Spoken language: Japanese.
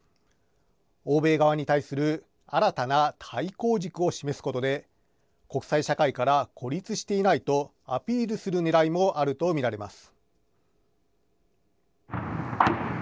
欧米側に対する新たな対抗軸を示すことで、国際社会から孤立していないとアピールするねらいもあると見られます。